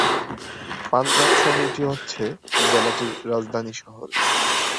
পাঞ্জাব শহরটি হচ্ছে জেলাটির রাজধানী শহর।